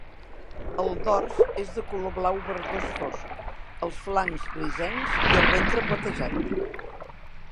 El dors és de color blau-verdós fosc, els flancs grisencs i el ventre platejat.